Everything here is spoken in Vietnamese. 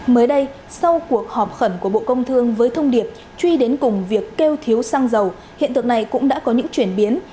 mới đây sau cuộc họp khẩn của bộ công thương với thông điệp truy đến cùng việc kêu thiếu xăng dầu hiện tượng này cũng đã có những chuyển biến